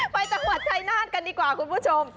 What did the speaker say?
ไปจังหวัดชายนาฏกันดีกว่าคุณผู้ชม